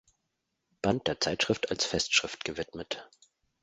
Band der Zeitschrift als Festschrift gewidmet.